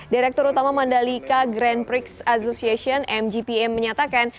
direktur utama mandalika grand prix association mgpa menyatakan